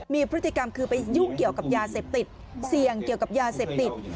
มีพฤติกรรมคือไปยุ่งเกี่ยวกับยาเสพติดเสี่ยงเกี่ยวกับยาเสพติด